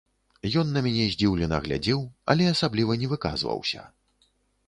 Ён на мяне здзіўлена глядзеў, але асабліва не выказваўся.